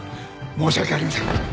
申し訳ありません。